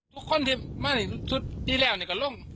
ทุกคนที่มานี่ทุกที่แล้วเนี่ยก็ลง